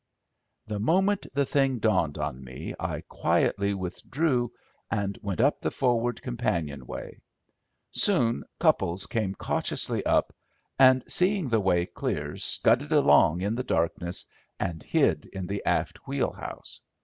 The moment the thing dawned on me I quietly withdrew and went up the forward companion way. Soon Cupples came cautiously up and seeing the way clear scudded along in the darkness and hid in the aft wheelhouse.